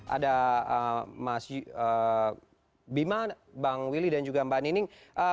ada mas bima bang willy dan juga mbak nining